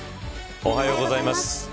おはようございます。